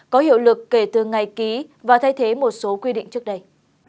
có hiệu lực kể từ ngày ký và thay thế một số quy định trước đây